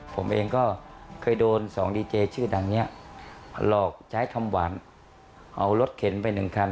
ผมเองก็เคยโดนสองดีเจชื่อดังนี้หลอกใช้คำหวานเอารถเข็นไปหนึ่งคัน